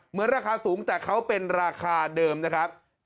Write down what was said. เหมือนราคาสูงแต่เขาเป็นราคาเดิมนะครับ